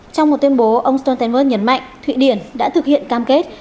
trong một tuyên bố ông stoltenberg nhấn mạnh thụy điển đã thực hiện cam kết